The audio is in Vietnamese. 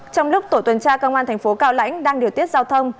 trong lúc tổ tuần tra công an thành phố cao lãnh đang điều tiết giao thông